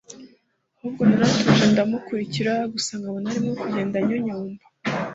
ahubwo naratuje ndamukurikira gusa nkabona arimo kugenda anyonyomba